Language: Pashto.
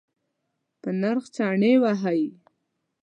په نرخ چنی وهئ؟